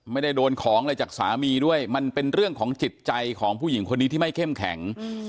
ไม่ได้โดนของอะไรจากสามีด้วยมันเป็นเรื่องของจิตใจของผู้หญิงคนนี้ที่ไม่เข้มแข็ง